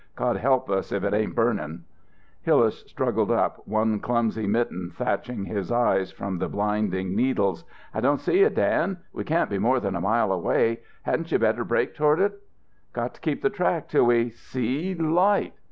God help us if it ain't burning." Hillas struggled up, one clumsy mitten thatching his eyes from the blinding needles. "I don't see it, Dan. We can't be more than a mile away. Hadn't you better break toward it?" "Got to keep the track 'til we see light!"